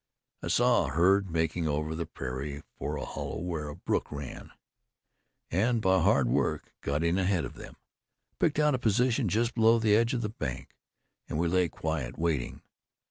I saw a herd making over the prairie for a hollow where a brook ran, and by hard work, got in ahead of them. I picked out a position just below the edge of the bank, and we lay quiet, waiting.